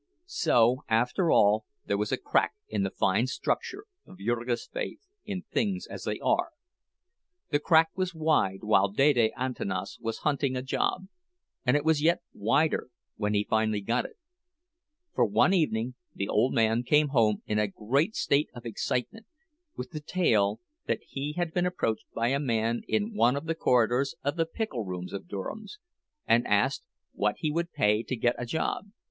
So, after all, there was a crack in the fine structure of Jurgis' faith in things as they are. The crack was wide while Dede Antanas was hunting a job—and it was yet wider when he finally got it. For one evening the old man came home in a great state of excitement, with the tale that he had been approached by a man in one of the corridors of the pickle rooms of Durham's, and asked what he would pay to get a job.